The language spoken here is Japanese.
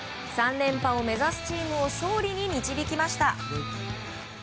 ３連覇を目指すチームを勝利に導きました。